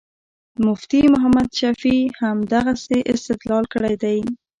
مفتي محمد شفیع همدغسې استدلال کړی دی.